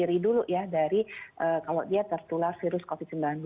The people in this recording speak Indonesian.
diri dulu ya dari kalau dia tertular virus covid sembilan belas